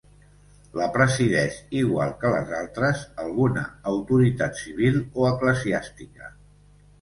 La presideix, igual que les altres, alguna autoritat civil o eclesiàstica.